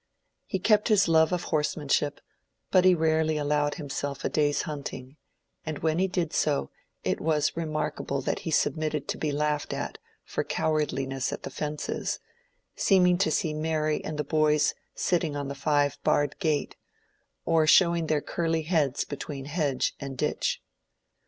He kept his love of horsemanship, but he rarely allowed himself a day's hunting; and when he did so, it was remarkable that he submitted to be laughed at for cowardliness at the fences, seeming to see Mary and the boys sitting on the five barred gate, or showing their curly heads between hedge and ditch.